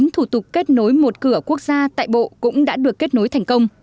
thủ tục kết nối một cửa quốc gia tại bộ cũng đã được kết nối thành công